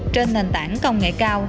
trên nền tảng công nghệ cao